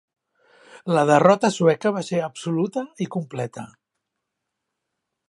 La derrota sueca va ser absoluta i completa.